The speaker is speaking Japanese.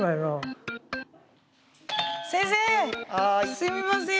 すみません。